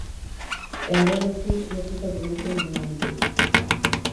E agora si, réplica do grupo emendante.